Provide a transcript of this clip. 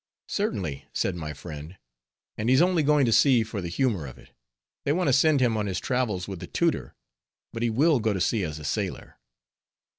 "Certainly," said my friend, "and he's only going to sea for the humor of it; they want to send him on his travels with a tutor, but he will go to sea as a sailor."